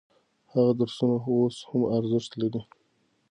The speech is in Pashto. هغه درسونه اوس هم ارزښت لري.